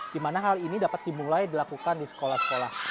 di mana hal ini dapat dimulai dilakukan di sekolah sekolah